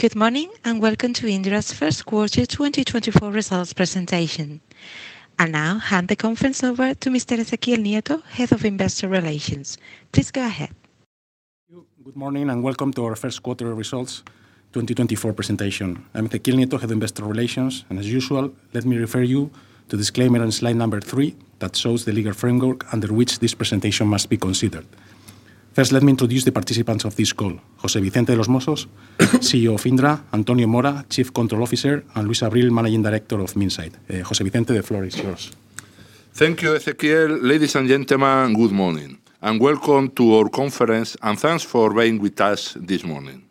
Good morning and welcome to Indra's First Quarter 2024 Results Presentation. And now hand the conference over to Mr. Ezequiel Nieto, Head of Investor Relations. Please go ahead. Good morning and welcome to our First Quarter Results 2024 Presentation. I'm Ezequiel Nieto, Head of Investor Relations, and as usual, let me refer you to disclaimer on slide number three that shows the legal framework under which this presentation must be considered. First, let me introduce the participants of this call: José Vicente de los Mozos, CEO of Indra; Antonio Mora, Chief Control Officer; and Luis Abril, Managing Director of Minsait. José Vicente, the floor is yours. Thank you, Ezequiel. Ladies and gentlemen, good morning. Welcome to our conference, and thanks for being with us this morning.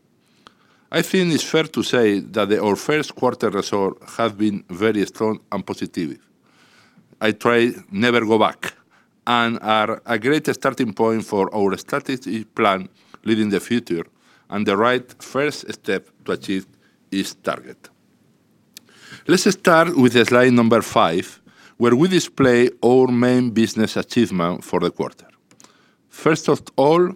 I think it's fair to say that our first quarter results have been very strong and positive. I try never to go back, and are a great starting point for our strategy plan leading the future and the right first step to achieve this target. Let's start with slide number five, where we display our main business achievement for the quarter. First of all,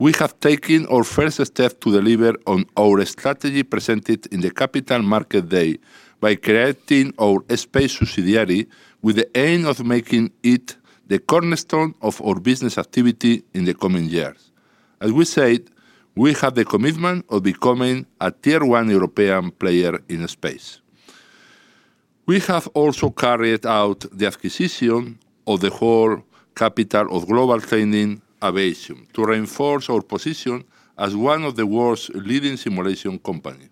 we have taken our first step to deliver on our strategy presented in the Capital Market Day by creating our space subsidiary with the aim of making it the cornerstone of our business activity in the coming years. As we said, we have the commitment of becoming a tier-one European player in space. We have also carried out the acquisition of the whole capital of Global Training Aviation to reinforce our position as one of the world's leading simulation companies.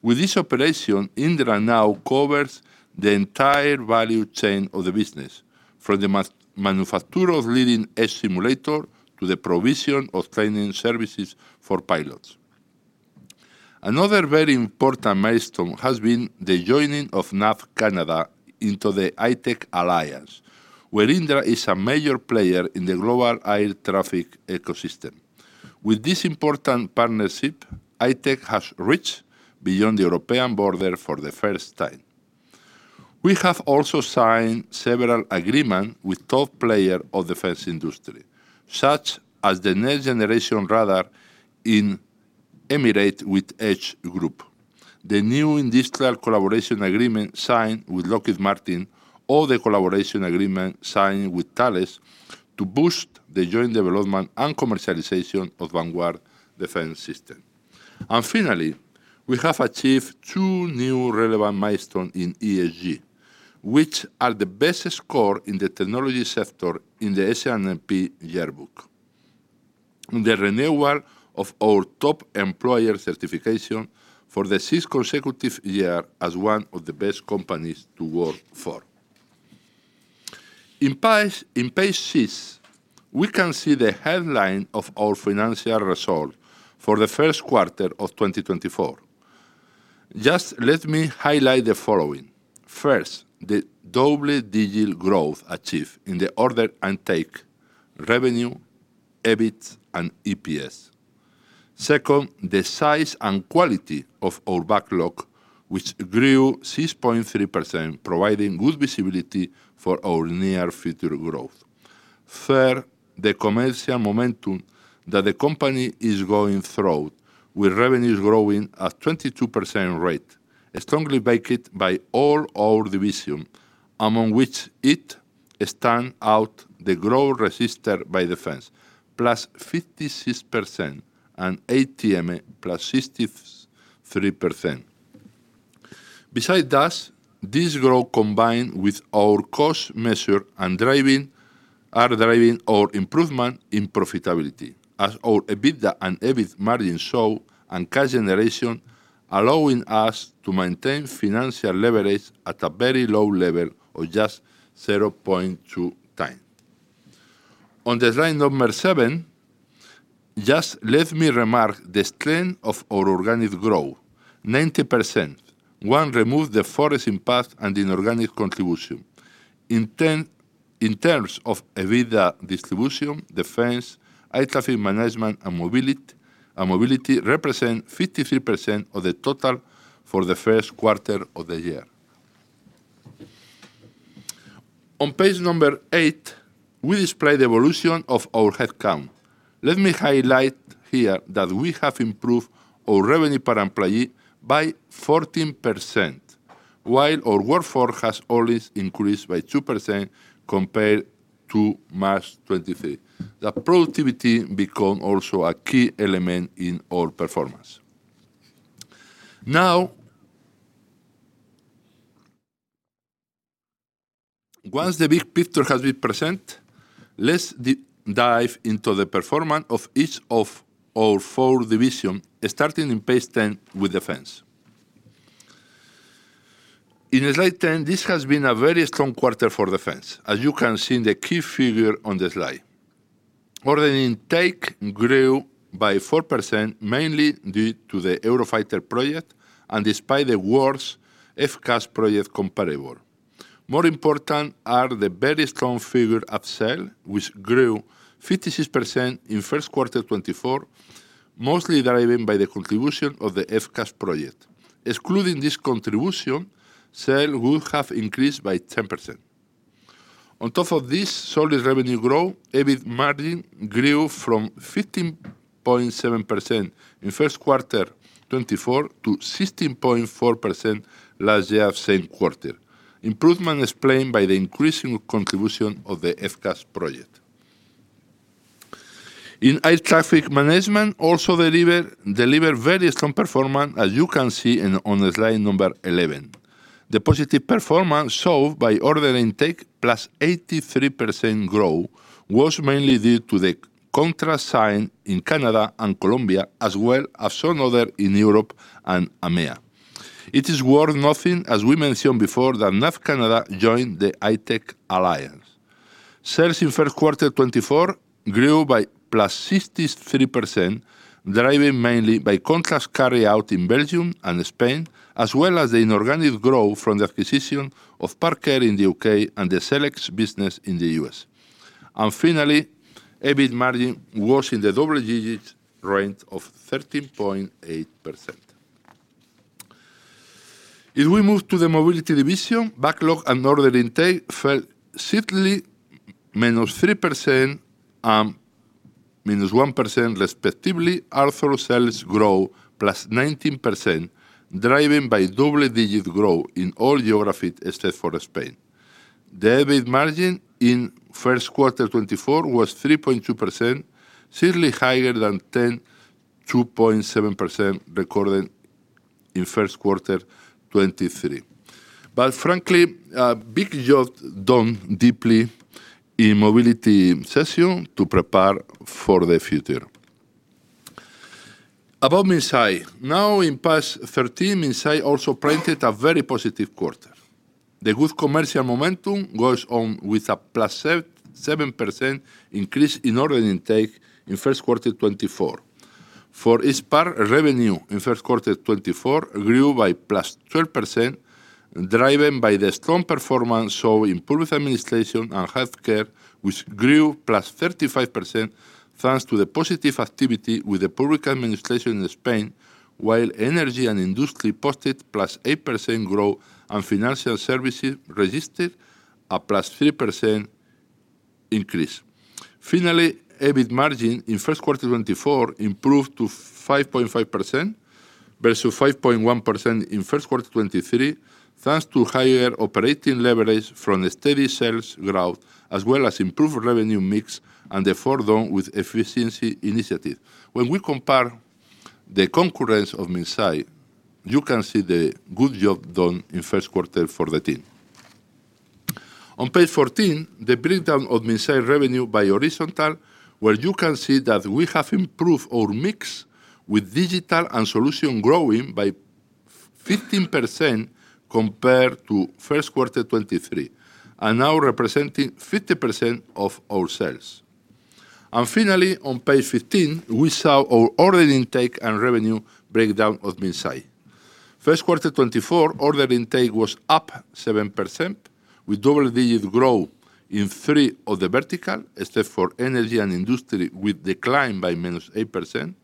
With this operation, Indra now covers the entire value chain of the business, from the manufacture of leading edge simulator to the provision of training services for pilots. Another very important milestone has been the joining of NAV CANADA into the iTEC alliance, where Indra is a major player in the global air traffic ecosystem. With this important partnership, iTEC has reached beyond the European border for the first time. We have also signed several agreements with top players of the defense industry, such as the Next Generation Radar in Emirates with Edge Group, the new industrial collaboration agreement signed with Lockheed Martin, or the collaboration agreement signed with Thales to boost the joint development and commercialization of vanguard defense systems. Finally, we have achieved two new relevant milestones in ESG, which are the best scores in the technology sector in the S&P Yearbook, and the renewal of our top employer certification for the sixth consecutive year as one of the best companies to work for. On page six, we can see the headline of our financial result for the first quarter of 2024. Just let me highlight the following. First, the double-digit growth achieved in the order intake revenue, EBIT, and EPS. Second, the size and quality of our backlog, which grew 6.3%, providing good visibility for our near future growth. Third, the commercial momentum that the company is going through, with revenues growing at a 22% rate, strongly backed by all our divisions, among which it stands out the growth registered by defense +56%, and ATM +63%. Besides that, this growth combined with our cost measures are driving our improvement in profitability, as our EBITDA and EBIT margins show, and cash generation, allowing us to maintain financial leverage at a very low level of just 0.2 times. On the slide seven, just let me remark the strength of our organic growth: 90%. Once removed the forecasting path and inorganic contribution. In terms of EBITDA distribution, Defense, Air Traffic Management, and Mobility represent 53% of the total for the first quarter of the year. On page eight, we display the evolution of our headcount. Let me highlight here that we have improved our revenue per employee by 14%, while our workforce has only increased by 2% compared to March 2023. The productivity becomes also a key element in our performance. Now, once the big picture has been presented, let's dive into the performance of each of our four divisions, starting in page 10 with defense. In slide 10, this has been a very strong quarter for defense, as you can see in the key figure on the slide. Order intake grew by 4%, mainly due to the Eurofighter project and despite the worst FCAS project comparable. More important are the very strong figures of sale, which grew 56% in first quarter 2024, mostly driven by the contribution of the FCAS project. Excluding this contribution, sales would have increased by 10%. On top of this solid revenue growth, EBIT margin grew from 15.7% last year in the same quarter to 16.4% in first quarter 2024, improvement explained by the increasing contribution of the FCAS project. In air traffic management, also delivered very strong performance, as you can see on slide number 11. The positive performance shown by order intake, +83% growth, was mainly due to the contract signed in Canada and Colombia, as well as some others in Europe and AMEA. It is worth noting, as we mentioned before, that NAV CANADA joined the iTEC alliance. Sales in first quarter 2024 grew by +63%, driven mainly by contracts carried out in Belgium and Spain, as well as the inorganic growth from the acquisition of Parker in the UK and the Celex business in the U.S. Finally, EBIT margin was in the double-digit range of 13.8%. If we move to the mobility division, backlog and order intake fell steadily: -3% and -1%, respectively. Outsource sales grew +19%, driven by double-digit growth in all geographies except for Spain. The EBIT margin in first quarter 2024 was 3.2%, steadily higher than -2.7% recorded in first quarter 2023. But frankly, a big job done deeply in mobility session to prepare for the future. About Minsait: now, in Q1 23, Minsait also printed a very positive quarter. The good commercial momentum goes on with a +7% increase in order intake in first quarter 2024. For its part, revenue in first quarter 2024 grew by +12%, driven by the strong performance shown in public administration and healthcare, which grew +35% thanks to the positive activity with the public administration in Spain, while energy and industry posted +8% growth, and financial services registered a +3% increase. Finally, EBIT margin in first quarter 2024 improved to 5.5% versus 5.1% in first quarter 2023 thanks to higher operating leverage from steady sales growth, as well as improved revenue mix and the forthcoming efficiency initiative. When we compare the concurrents of Minsait, you can see the good job done in first quarter for the team. On page 14, the breakdown of Minsait revenue by horizontal, where you can see that we have improved our mix with digital and solution growing by 15% compared to first quarter 2023, and now representing 50% of our sales. Finally, on page 15, we saw our order intake and revenue breakdown of Minsait. First quarter 2024, order intake was up 7%, with double-digit growth in three of the verticals, except for energy and industry, with decline by -8%.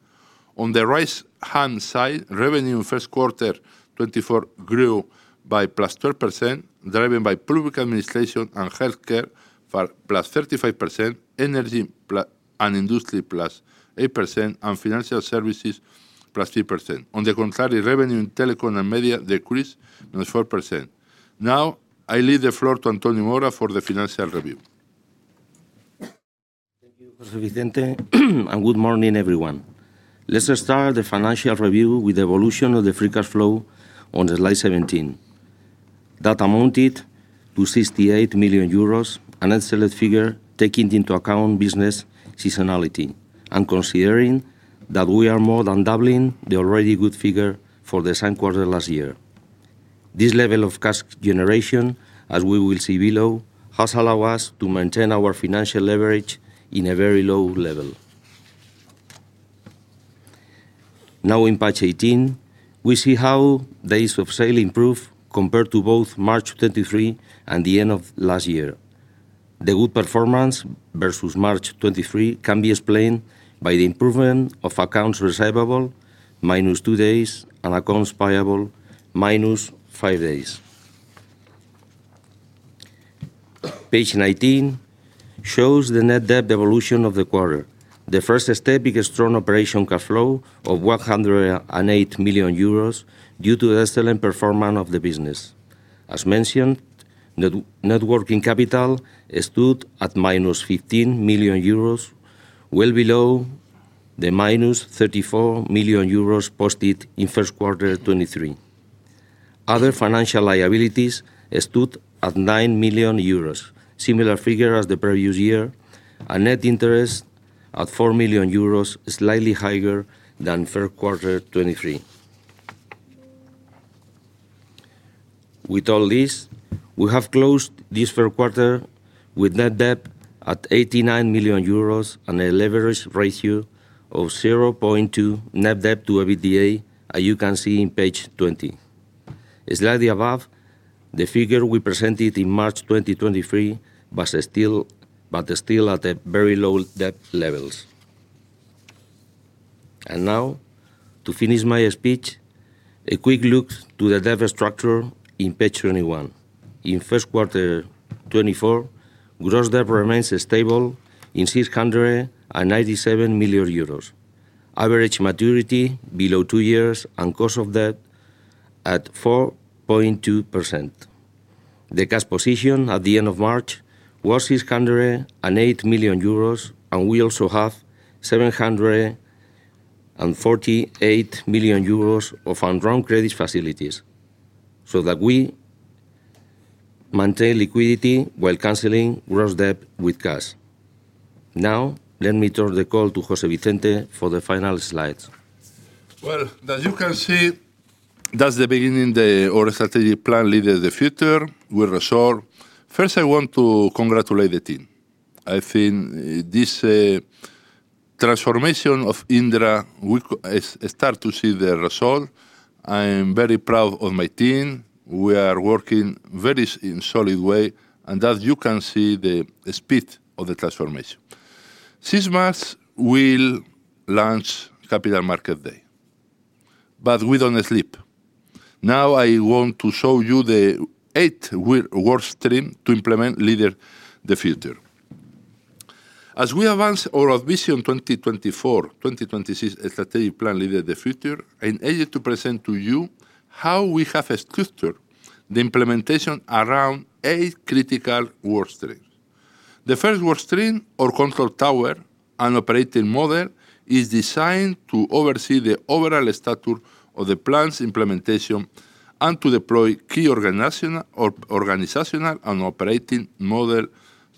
On the right-hand side, revenue in first quarter 2024 grew by +12%, driven by public administration and healthcare for +35%, energy and industry +8%, and financial services +3%. On the contrary, revenue in telecom and media decreased -4%. Now, I leave the floor to Antonio Mora for the financial review. Thank you, José Vicente, and good morning, everyone. Let's start the financial review with the evolution of the free cash flow on slide 17, that amounted to 68 million euros, an excellent figure taking into account business seasonality and considering that we are more than doubling the already good figure for the same quarter last year. This level of cash generation, as we will see below, has allowed us to maintain our financial leverage in a very low level. Now, in page 18, we see how days of sale improved compared to both March 2023 and the end of last year. The good performance versus March 2023 can be explained by the improvement of accounts receivable minus two days and accounts payable minus five days. Page 19 shows the net debt evolution of the quarter, the first step in a strong operating cash flow of 108 million euros due to the excellent performance of the business. As mentioned, net working capital stood at -15 million euros, well below the -34 million euros posted in first quarter 2023. Other financial liabilities stood at EUR 9 million, similar figure as the previous year, and net interest at EUR 4 million, slightly higher than first quarter 2023. With all this, we have closed this third you can see, the speed of the transformation. This month, we'll launch Capital Market Day, but we don't sleep. Now, I want to show you the eight work streams to implement Leaders of the Future. As we advance our vision 2024-2026 strategic plan Leaders of the Future, I'm eager to present to you how we have structured the implementation around eight critical work streams. The first work stream, or control tower and operating model, is designed to oversee the overall stature of the plan's implementation and to deploy key organizational and operating model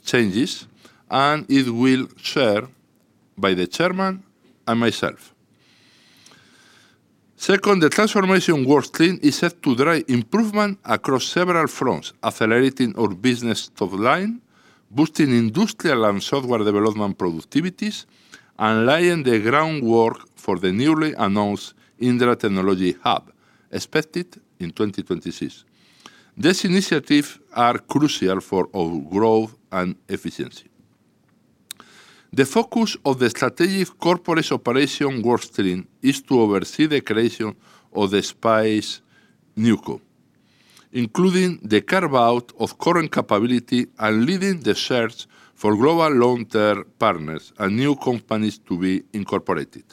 changes, and it will be shared by the chairman and myself. Second, the transformation work stream is set to drive improvement across several fronts, accelerating our business topline, boosting industrial and software development productivities, and laying the groundwork for the newly announced Indra Technology Hub, expected in 2026. These initiatives are crucial for our growth and efficiency. The focus of the strategic corporate operation work stream is to oversee the creation of the Space Newco, including the carve-out of current capability and leading the search for global long-term partners and new companies to be incorporated.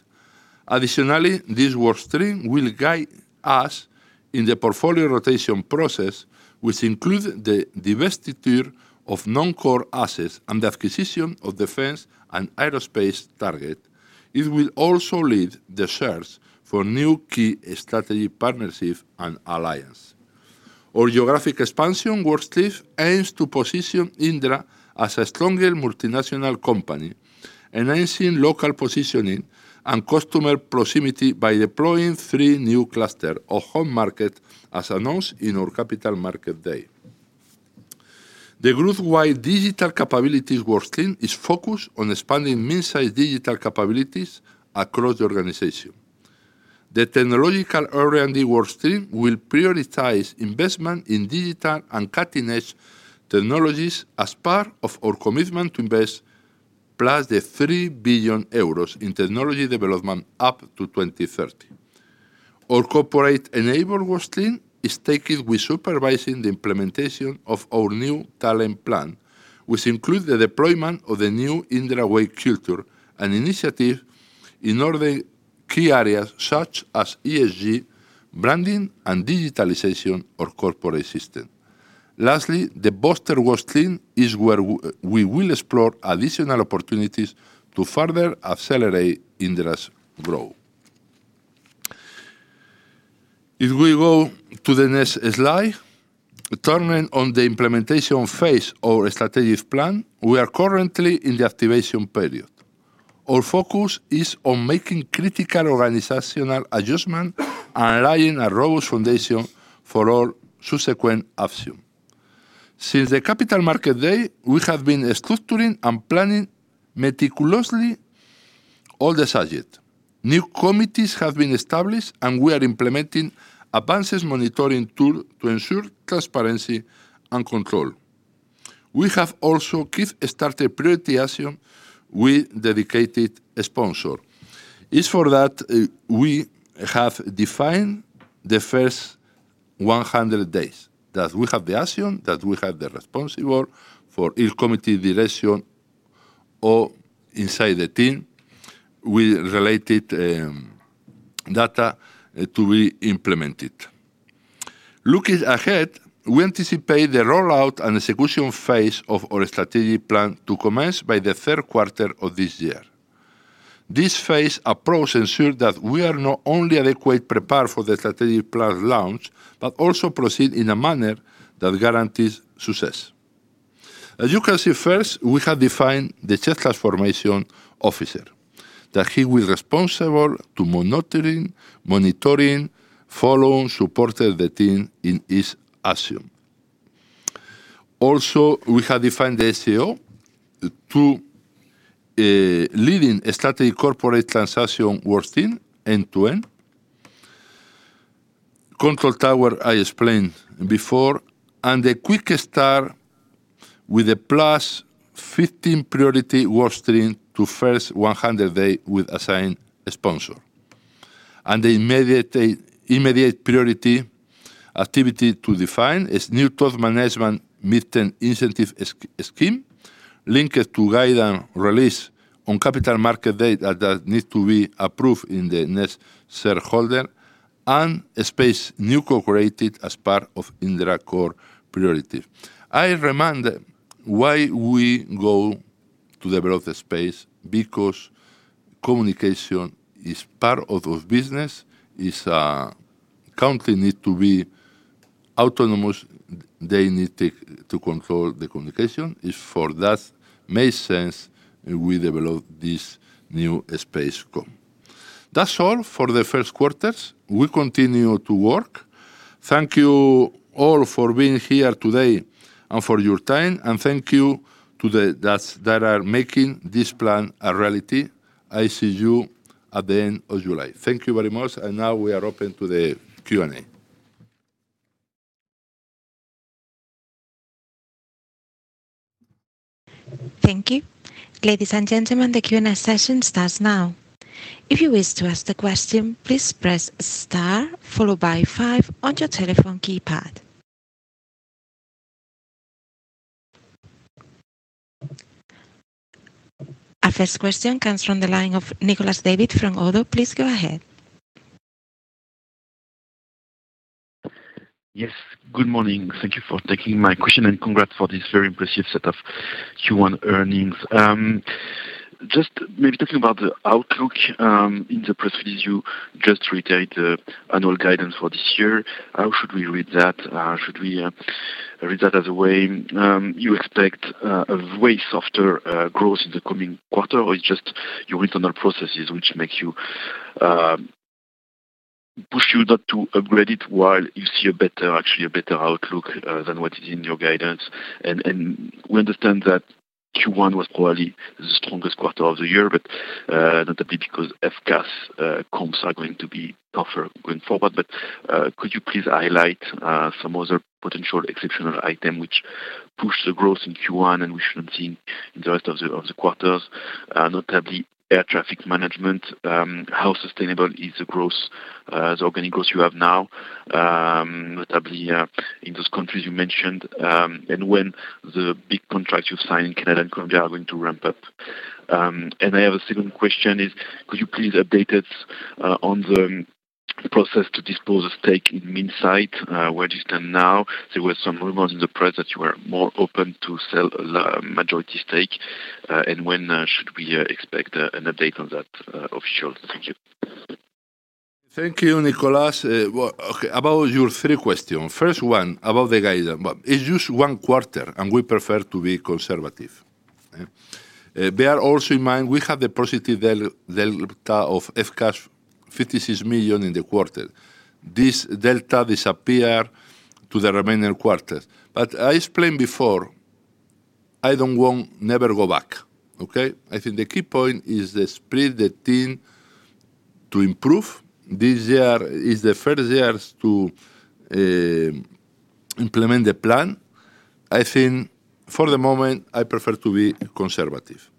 Additionally, this work stream will guide us in the portfolio rotation process, which includes the divestiture of non-core assets and the acquisition of defense and aerospace targets. It will also lead the search for new key strategic partnerships and alliances. Our geographic expansion work stream aims to position Indra as a stronger multinational company, enhancing local positioning and customer proximity by deploying 3 new clusters of home markets as announced in our Capital Market Day. The growth-wide digital capabilities work stream is focused on expanding Minsait's digital capabilities across the organization. The technological R&D work stream will prioritize investment in digital and cutting-edge technologies as part of our commitment to invest plus the 3 billion euros in technology development up to 2030. Our corporate enablement work stream is tasked with supervising the implementation of our new talent plan, which includes the deployment of the new Indra Way culture and initiatives in our key areas such as ESG, branding, and digitalization of corporate systems. Lastly, the booster work stream is where we will explore additional opportunities to further accelerate Indra's growth. If we go to the next slide, turning to the implementation phase of our strategic plan, we are currently in the activation period. Our focus is on making critical organizational adjustments and laying a robust foundation for all subsequent actions. Since the Capital Market Day, we have been structuring and planning meticulously all the subjects. New committees have been established, and we are implementing advanced monitoring tools to ensure transparency and control. We have also kickstarted prioritization with a dedicated sponsor. It's for that we have defined the first 100 days, that we have the action, that we have the responsible for each committee direction or inside the team, with related data to be implemented. Looking ahead, we anticipate the rollout and execution phase of our strategic plan to commence by the third quarter of this year. This phase approach ensures that we are not only adequately prepared for the strategic plan's launch but also proceed in a manner that guarantees success. As you can see, first, we have defined the Chief Transformation Officer, that he will be responsible for monitoring, monitoring, following, supporting the team in each action. Also, we have defined the SCO to leading strategic corporate transaction work stream end to end, control tower I explained before, and the quick start with a +15 priority work stream to first 100 days with assigned sponsor. The immediate priority activity to define is new thought management mid-term incentive scheme linked to guidance release on Capital Market Day that needs to be approved in the next shareholder and Space new co-operated as part of Indra core priority. I remind why we go to develop the Space because communication is part of our business. It currently needs to be autonomous. They need to control the communication. It's for that it makes sense we develop this new Space com. That's all for the first quarters. We continue to work. Thank you all for being here today and for your time. And thank you to those that are making this plan a reality. I see you at the end of July. Thank you very much. And now we are open to the Q&A. Thank you. Ladies and gentlemen, the Q&A session starts now. If you wish to ask a question, please press star followed by five on your telephone keypad. Our first question comes from the line of Nicolas David from ODDO. Please go ahead. Yes. Good morning. Thank you for taking my question and congrats for this very impressive set of Q1 earnings. Just maybe talking about the outlook in the process, you just retake the annual guidance for this year. How should we read that? Should we read that as a way you expect a way softer growth in the coming quarter, or it's just your internal processes which push you not to upgrade it while you see actually a better outlook than what is in your guidance? And we understand that Q1 was probably the strongest quarter of the year, but not only because FCAS comps are going to be tougher going forward. But could you please highlight some other potential exceptional items which push the growth in Q1 and we shouldn't see in the rest of the quarters? Notably, air traffic management. How sustainable is the organic growth you have now, notably in those countries you mentioned and when the big contracts you've signed in Canada and Colombia are going to ramp up? And I have a second question. Could you please update us on the process to dispose of stake in Minsait where you stand now? There were some rumors in the press that you were more open to sell a majority stake. And when should we expect an update on that official? Thank you. Thank you, Nicolas. Okay. About your three questions. First one, about the guidance. It's just one quarter, and we prefer to be conservative. Bear also in mind we have the positive delta of FCAS, 56 million in the quarter. This delta disappears to the remaining quarters. But I explained before, I don't want to never go back, okay? I think the key point is the speed the team to improve. This year is the first year to implement the plan. I think for the moment, I prefer to be conservative.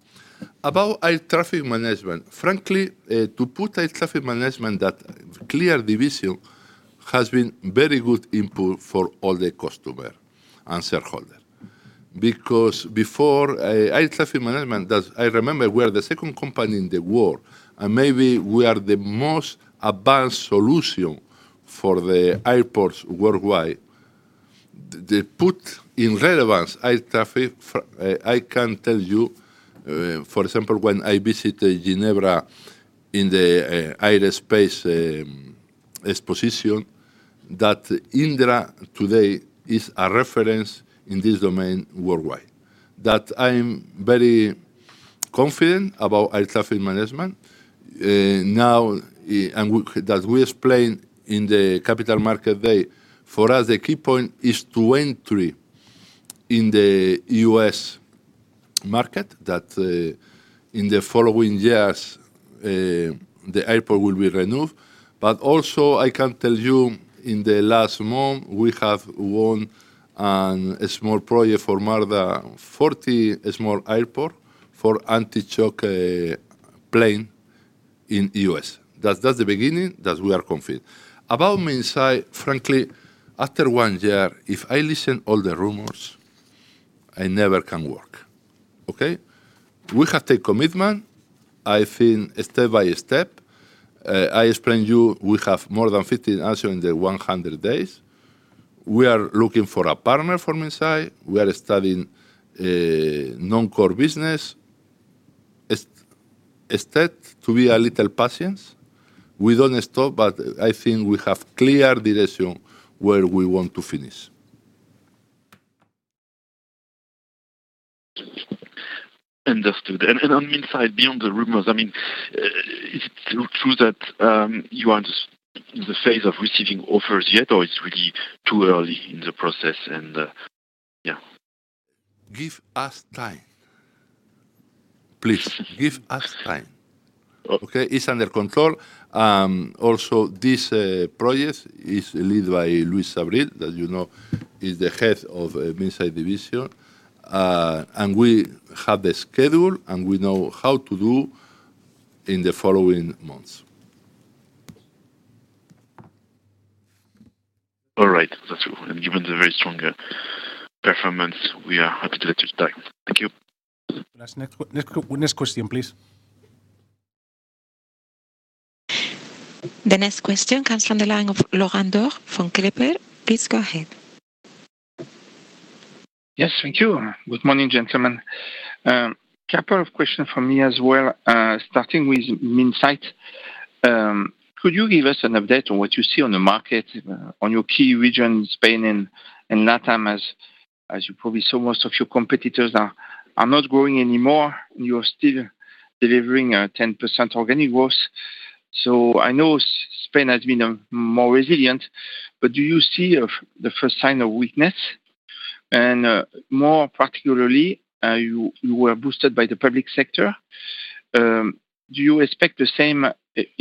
About air traffic management, frankly, to put air traffic management that clear division has been very good input for all the customer and shareholder because before, air traffic management, I remember we are the second company in the world, and maybe we are the most advanced solution for the airports worldwide. They put in relevance air traffic. I can tell you, for example, when I visited Geneva in the aerospace exposition, that Indra today is a reference in this domain worldwide, that I'm very confident about air traffic management now and that we explained in the Capital Market Day. For us, the key point is to entry in the U.S. market, that in the following years, the airport will be renewed. But also, I can tell you in the last month, we have won a small project for MARDA, 40 small airports for anti-choke planes in the U.S. That's the beginning that we are confident. About Minsait, frankly, after one year, if I listen to all the rumors, I never can work, okay? We have taken commitment, I think step by step. I explained to you we have more than 15 answers in the 100 days. We are looking for a partner for Minsait. We are studying non-core business. Instead of being a little patient, we don't stop, but I think we have clear direction where we want to finish. Understood. On Minsait, beyond the rumors, I mean, is it true that you are in the phase of receiving offers yet, or it's really too early in the process? Yeah. Give us time. Please, give us time, okay? It's under control. Also, this project is led by Luis Abril, that you know is the head of Minsait division. We have the schedule, and we know how to do in the following months. All right. That's true. Given the very strong performance, we are happy to let you start. Thank you. Next question, please. The next question comes from the line of Laurent Daure from Klepper. Please go ahead. Yes. Thank you. Good morning, gentlemen. A couple of questions from me as well, starting with Minsait. Could you give us an update on what you see on the market, on your key regions, Spain and LATAM, as you probably saw most of your competitors are not growing anymore, and you are still delivering 10% organic growth? So I know Spain has been more resilient, but do you see the first sign of weakness? And more particularly, you were boosted by the public sector. Do you expect the same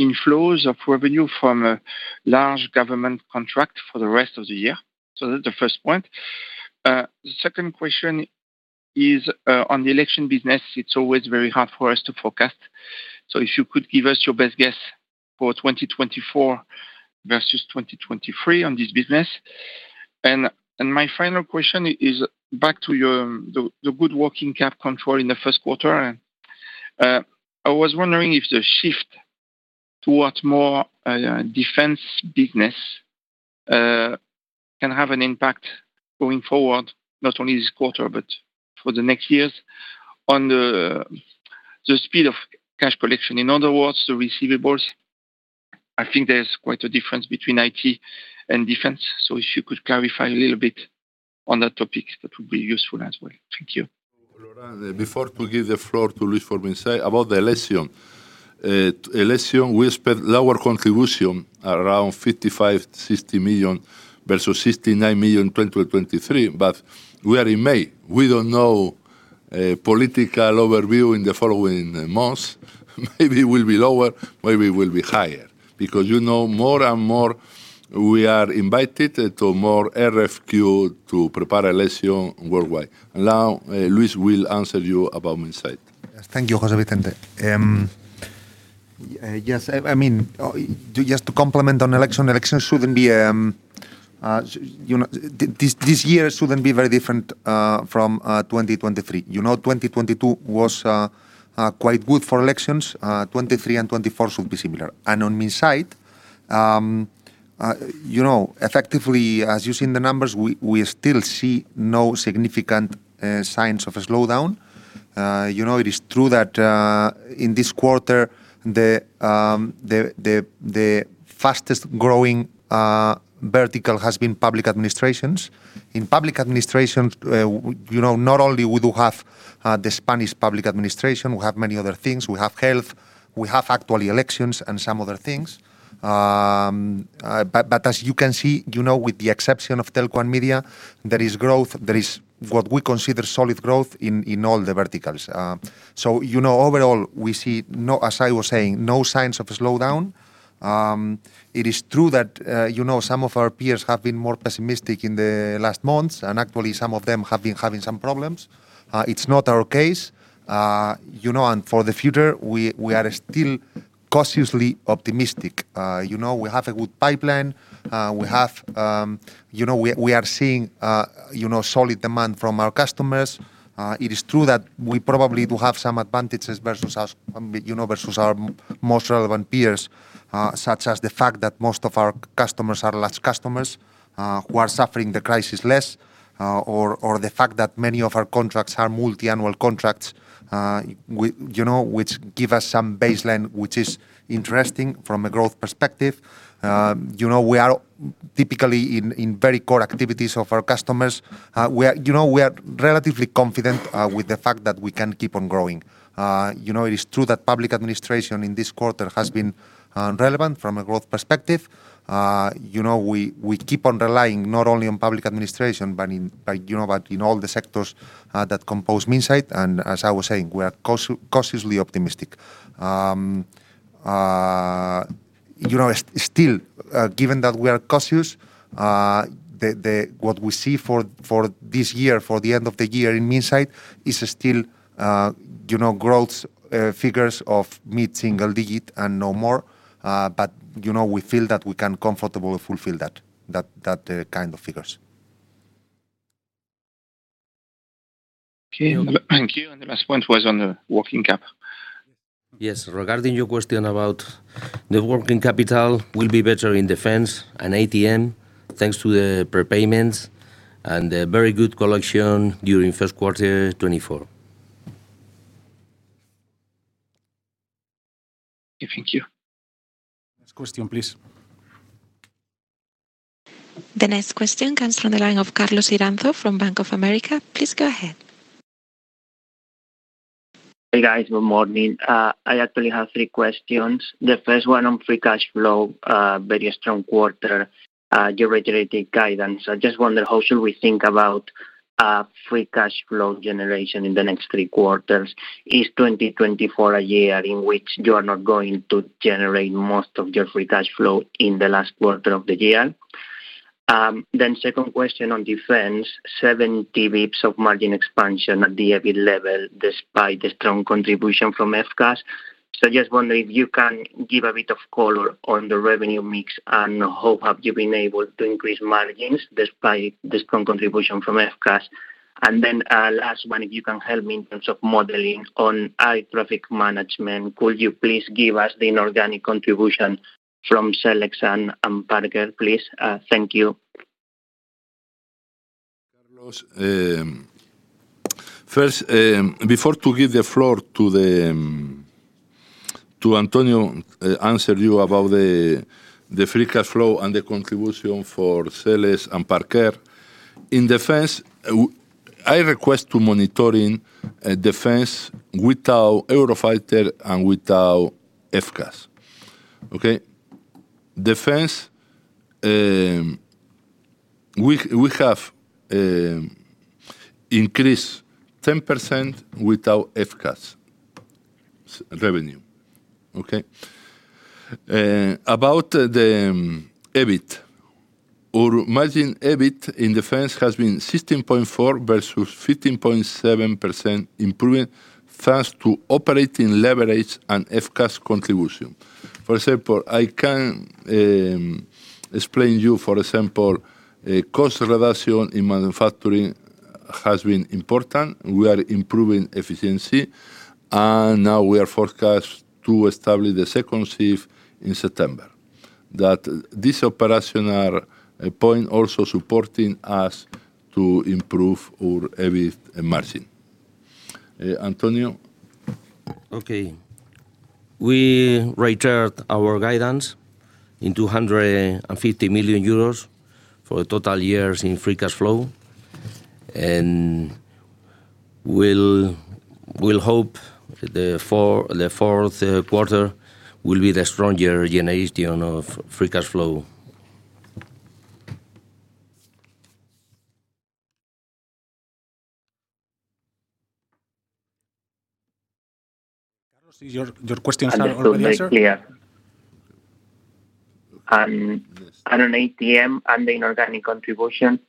inflows of revenue from large government contracts for the rest of the year? So that's the first point. The second question is on the election business. It's always very hard for us to forecast. So if you could give us your best guess for 2024 versus 2023 on this business. My final question is back to the good working cap control in the first quarter. I was wondering if the shift towards more defense business can have an impact going forward, not only this quarter but for the next years, on the speed of cash collection. In other words, the receivables, I think there's quite a difference between IT and defense. So if you could clarify a little bit on that topic, that would be useful as well. Thank you. Laurent, before to give the floor to Luis for Minsait, about the Indra. In Indra, we spent lower contribution around 55-60 million versus 69 million in 2023. But we are in May. We don't know political overview in the following months. Maybe we'll be lower. Maybe we'll be higher because more and more we are invited to more RFQ to prepare an Indra worldwide. Now, Luis will answer you about Minsait. Thank you, José Vicente. Yes. I mean, just to comment on elections, elections this year shouldn't be very different from 2023. 2022 was quite good for elections. 2023 and 2024 should be similar. And on Minsait, effectively, as you see in the numbers, we still see no significant signs of a slowdown. It is true that in this quarter, the fastest growing vertical has been public administrations. In public administrations, not only do we have the Spanish public administration, we have many other things. We have health. We have actually elections and some other things. But as you can see, with the exception of Telco and Media, there is growth. There is what we consider solid growth in all the verticals. So overall, we see, as I was saying, no signs of a slowdown. It is true that some of our peers have been more pessimistic in the last months, and actually, some of them have been having some problems. It's not our case. For the future, we are still cautiously optimistic. We have a good pipeline. We are seeing solid demand from our customers. It is true that we probably do have some advantages versus our most relevant peers, such as the fact that most of our customers are large customers who are suffering the crisis less, or the fact that many of our contracts are multi-annual contracts, which give us some baseline, which is interesting from a growth perspective. We are typically in very core activities of our customers. We are relatively confident with the fact that we can keep on growing. It is true that public administration in this quarter has been relevant from a growth perspective. We keep on relying not only on public administration, but in all the sectors that compose Minsait. And as I was saying, we are cautiously optimistic. Still, given that we are cautious, what we see for this year, for the end of the year in Minsait, is still growth figures of mid-single digit and no more. But we feel that we can comfortably fulfill that kind of figures. Okay. Thank you. And the last point was on the working cap. Yes. Regarding your question about the working capital, we'll be better in defense and ATM thanks to the prepayments and the very good collection during first quarter 2024. Okay. Thank you. Next question, please. The next question comes from the line of Carlos Iranzo from Bank of America. Please go ahead. Hey, guys. Good morning. I actually have three questions. The first one on free cash flow, very strong quarter, your reiterated guidance. I just wonder, how should we think about free cash flow generation in the next three quarters? Is 2024 a year in which you are not going to generate most of your free cash flow in the last quarter of the year? Then second question on defense, 70 basis points of margin expansion at the EBIT level despite the strong contribution from FCAS. So I just wonder if you can give a bit of color on the revenue mix and how have you been able to increase margins despite the strong contribution from FCAS? And then last one, if you can help me in terms of modeling on air traffic management, could you please give us the inorganic contribution from Selex and Parker, please? Thank you. Carlos, first, before to give the floor to Antonio answer you about the free cash flow and the contribution for Selex and Parker, in defense, I request to monitor defense without Eurofighter and without FCAS, okay? Defense, we have increased 10% without FCAS revenue, okay? About the EBIT, or margin EBIT in defense has been 16.4% versus 15.7% improving thanks to operating leverage and FCAS contribution. For example, I can explain to you, for example, cost reduction in manufacturing has been important. We are improving efficiency. And now we are forecast to establish the second shift in September. This operational point also supporting us to improve our EBIT margin. Antonio? Okay. We reiterated our guidance in 250 million euros for the total years in free cash flow. And we'll hope the fourth quarter will be the stronger generation of free cash flow. Carlos, your questions are already answered. I think they're clear. On ATM and the inorganic contribution?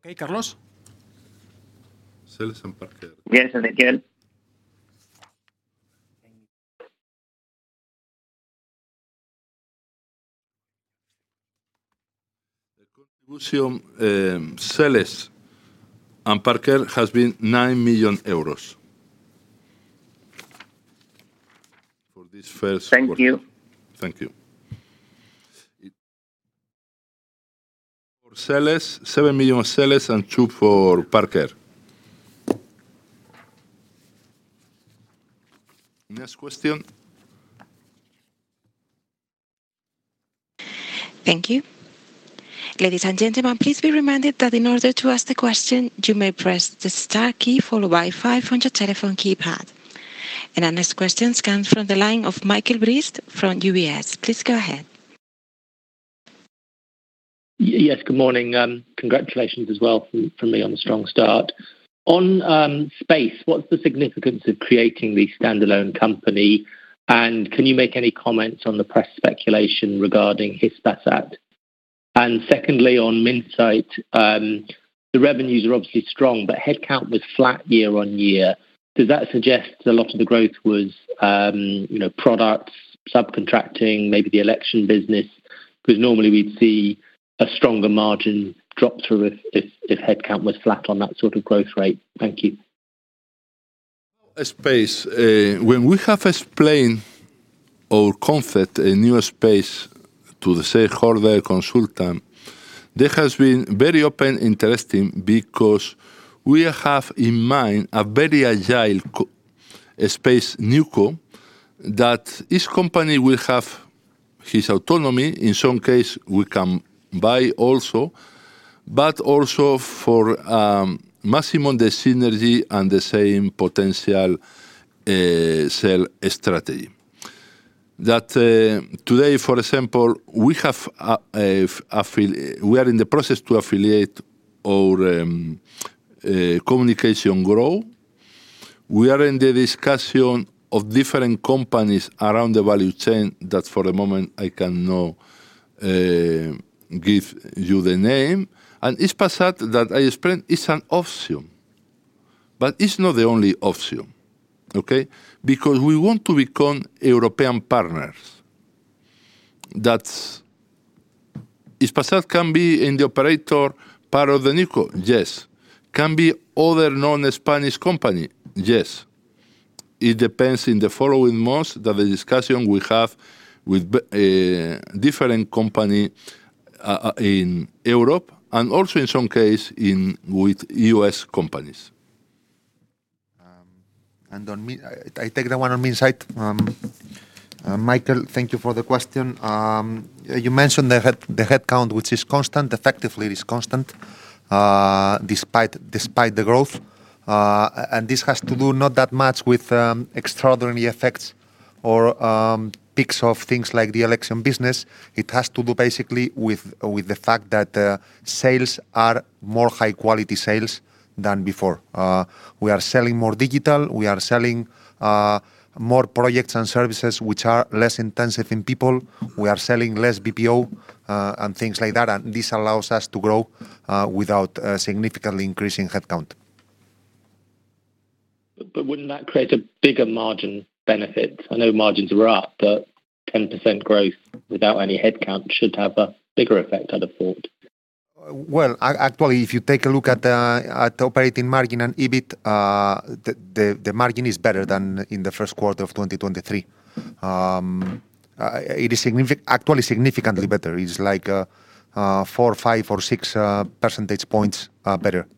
Selex and Parker. Parker, yes. Okay. Carlos? Selex and Parker. Yes, Ezequiel. The contribution Selex and Parker has been 9 million euros for this first quarter. Thank you. Thank you. For Selex, 7 million of Selex and 2 for Parker. Next question. Thank you. Ladies and gentlemen, please be reminded that in order to ask the question, you may press the star key followed by five on your telephone keypad. Our next questions come from the line of Michael Briest from UBS. Please go ahead. Yes. Good morning. Congratulations as well from me on the strong start. On space, what's the significance of creating this standalone company? And can you make any comments on the press speculation regarding Hispasat? And secondly, on Minsait, the revenues are obviously strong, but headcount was flat year-over-year. Does that suggest a lot of the growth was products, subcontracting, maybe the election business? Because normally, we'd see a stronger margin drop through if headcount was flat on that sort of growth rate. Thank you. A space, when we have explained our concept, a new space, to the shareholder consultant, that has been very open, interesting, because we have in mind a very agile Space Newco that his company will have his autonomy. In some cases, we can buy also, but also for maximum the synergy and the same potential sell strategy. Today, for example, we are in the process to affiliate our communication growth. We are in the discussion of different companies around the value chain that, for the moment, I cannot give you the name. And Hispasat that I explained is an option. But it's not the only option, okay? Because we want to become European partners. Hispasat can be in the operator part of the newco? Yes. Can be other non-Spanish company? Yes. It depends in the following months that the discussion we have with different companies in Europe and also, in some cases, with U.S. companies. I take the one on Minsait. Michael, thank you for the question. You mentioned the headcount, which is constant. Effectively, it is constant despite the growth. This has to do not that much with extraordinary effects or peaks of things like the election business. It has to do basically with the fact that sales are more high-quality sales than before. We are selling more digital. We are selling more projects and services, which are less intensive in people. We are selling less BPO and things like that. This allows us to grow without significantly increasing headcount. But wouldn't that create a bigger margin benefit? I know margins were up, but 10% growth without any headcount should have a bigger effect, I'd have thought. Well, actually, if you take a look at operating margin and EBIT, the margin is better than in the first quarter of 2023. It is actually significantly better. It's like 4, 5, or 6 percentage points better.